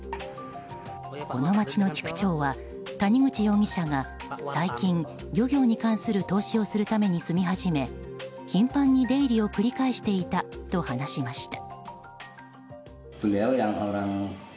この町の地区長は谷口容疑者が最近、漁業に関する投資をするために住み始め、頻繁に出入りを繰り返していたと話しました。